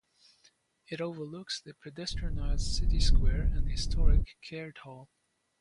It overlooks the pedestrianised City Square and historic Caird Hall.